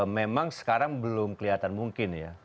memang sekarang belum kelihatan mungkin ya